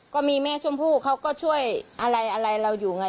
ก็มีแม่ชมพู่เขาก็ช่วยอะไรอะไรเราอยู่ไง